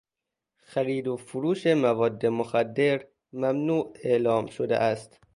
خرید و فروش مواد مخدر ممنوع اعلام شده است.